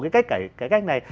cái cách này